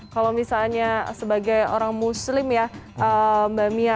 kalau misalnya sebagai orang muslim ya mbak mia